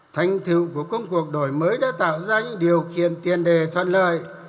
thành tựu của công cuộc đổi mới đã tạo ra những điều kiện tiền đề thuận lợi